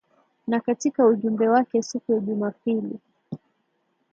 Na katika ujumbe wake siku ya Jumapili